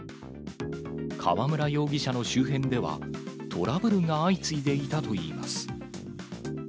河村容疑者の周辺では、トラブルが相次いでいたといいます。